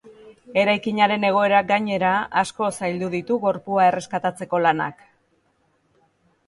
Eraikinaren egoerak, gainera, asko zaildu ditu gorpua erreskatatzeko lanak.